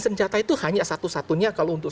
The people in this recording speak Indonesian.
senjata itu hanya satu satunya kalau untuk